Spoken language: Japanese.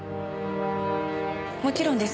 もちろんです。